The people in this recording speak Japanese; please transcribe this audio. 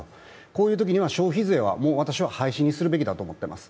こういうときには消費税は、もう私は廃止にすべきだと思っています。